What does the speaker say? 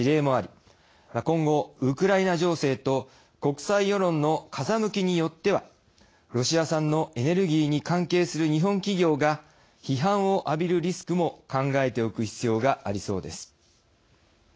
今後ウクライナ情勢と国際世論の風向きによってはロシア産のエネルギーに関係する日本企業が批判を浴びるリスクも考えておく必要がありそうです。